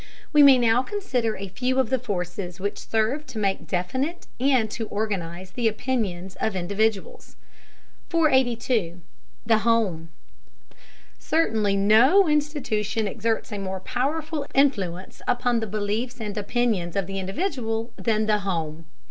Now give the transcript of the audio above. We may now consider a few of the forces which serve to make definite and to organize the opinions of individuals. 482. THE HOME. Certainly no institution exerts a more powerful influence upon the beliefs and opinions of the individual than the home.